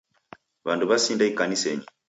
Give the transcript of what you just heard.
W'andu w'asinda ikanisenyi.